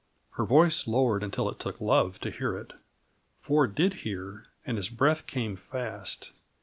Her voice lowered until it took love to hear it. Ford did hear, and his breath came fast.